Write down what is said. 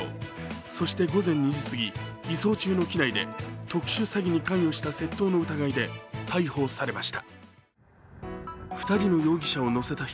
そして午前２時過ぎ、移送中の機内で特殊詐欺に関与した窃盗の疑いで逮捕されました。